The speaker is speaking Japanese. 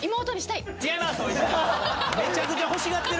めちゃくちゃ欲しがってる！